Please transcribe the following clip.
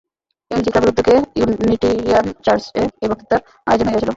Unity ক্লাবের উদ্যোগে Unitarian চার্চ-এ এই বক্তৃতার আয়োজন হইয়াছিল।